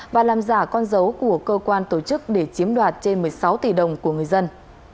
và làm giả con dấu của cơ quan tổ chức để chiếm đoạt trên một mươi sáu tỷ đồng của người dân